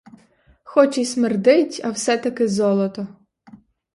Хоч і смердить, а все-таки золото.